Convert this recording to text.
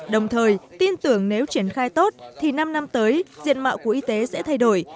đồng thời tin tưởng nếu triển khai tốt thì năm năm tới diện mạo của y tế sẽ thay đổi